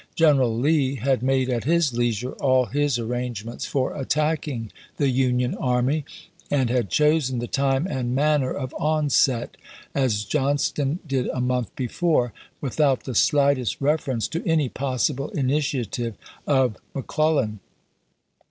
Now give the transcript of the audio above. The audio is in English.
General Lee had made, at his leisure, all his arrangements for attacking the Union army, and had chosen the time and the manner of onset, — as Johnston did a THE SEVEN DAYS' BATTLES 421 month before, — without the slightest reference to ch. xxiii. any possible initiative of McOlellan.